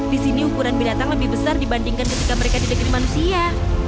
di sini ukuran binatang lebih besar dibandingkan ketika mereka di negeri manusia